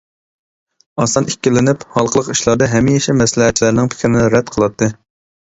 ئاسان ئىككىلىنىپ، ھالقىلىق ئىشلاردا ھەمىشە مەسلىھەتچىلەرنىڭ پىكرىنى رەت قىلاتتى.